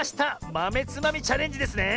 まめつまみチャレンジですね！